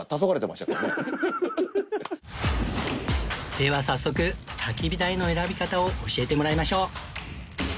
では早速焚き火台の選び方を教えてもらいましょう